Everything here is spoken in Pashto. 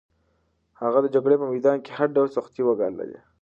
هغه د جګړې په میدان کې هر ډول سختۍ وګاللې.